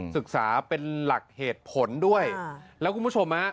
ศึกษาเป็นหลักเหตุผลด้วยแล้วคุณผู้ชมฮะ